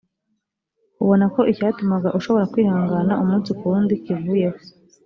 ubona ko icyatumaga ushobora kwihangana umunsi ku wundi kivuyeho